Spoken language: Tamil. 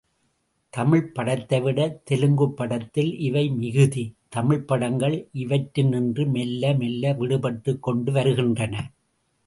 தமிழ்ப்படத்தைவிட தெலுங் குப் படத்தில் இவை மிகுதி, தமிழ்ப்படங்கள் இவற்றி னின்று மெல்ல மெல்ல விடுபட்டுக் கொண்டு வருகின்றன.